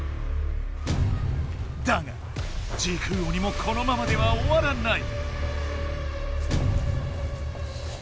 だが時空鬼もこのままではおわらない。